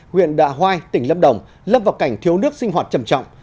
huyện đạ hoai tỉnh lâm đồng lâm vào cảnh thiếu nước sinh hoạt trầm trọng